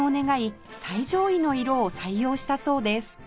最上位の色を採用したそうです